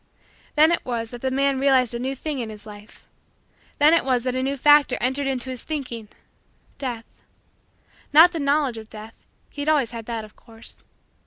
Then it was that the man realized a new thing in his life. Then it was that a new factor entered into his thinking Death. Not the knowledge of Death; he had always had that of course.